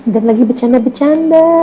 dan lagi bercanda bercanda